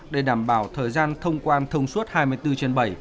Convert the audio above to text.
để đảm bảo thời gian thông quan thông suốt hai mươi bốn trên bảy